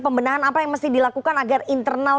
pembenahan apa yang mesti dilakukan agar internal